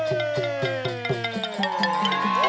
โอ้โอ้